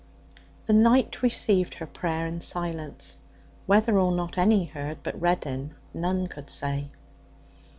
The night received her prayer in silence. Whether or not any heard but Reddin none could say.